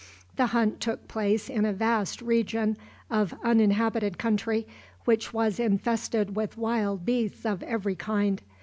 The hunt took place in a vast region of uninhabited country, which was infested with wild beasts of every kind.